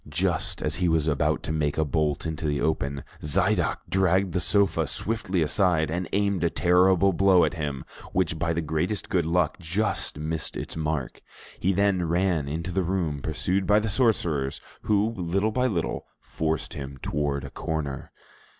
Just as he was about to make a bolt into the open, Zidoc dragged the sofa swiftly aside, and aimed a terrible blow at him, which by the greatest good luck just missed its mark. He then ran out into the room, pursued by the sorcerers, who little by little forced him toward a corner.